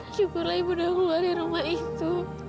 syukurlah ibu udah keluar dari rumah itu